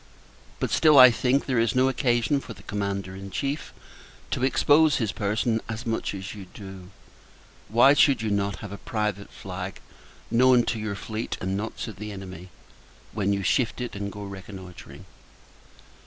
But still, I think, there is no occasion for the Commander in Chief to expose his person as much as you do. Why should you not have a private flag, known to your fleet and not to the enemy, when you shift it and go reconnoitring?